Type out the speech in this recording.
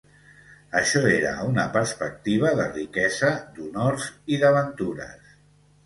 Això era una perspectiva de riquesa, d'honors i d'aventures